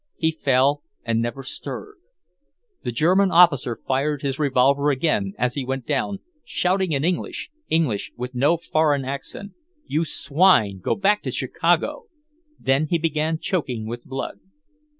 He fell, and never stirred. The German officer fired his revolver again as he went down, shouting in English, English with no foreign accent, "You swine, go back to Chicago!" Then he began choking with blood.